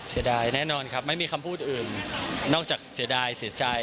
เสียดายแน่นอนครับไม่มีคำพูดอื่นนอกจากเสียดายเสียใจ